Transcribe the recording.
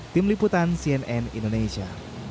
tim liputan cnn indonesia